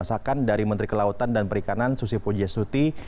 masakan dari menteri kelautan dan perikanan susi pujias tuti